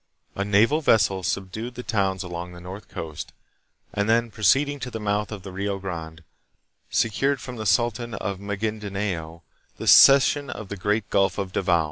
A naval vessel subdued the towns along the north coast, and then proceeding to the mouth of the Rio Grande, secured from the sultan of Magindanao the cession of the great Gulf of Davao.